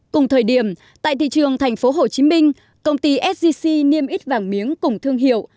cùng thời điểm tại thị trường thành phố hồ chí minh công ty sgc niêm ít vàng miếng cùng thương hiệu